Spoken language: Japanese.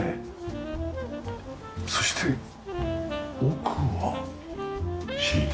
そして奥は寝室。